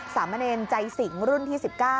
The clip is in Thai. สามเณรใจสิงรุ่นที่๑๙